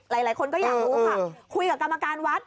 หลายคนก็อยากรู้ค่ะคุยกับกรรมการวัด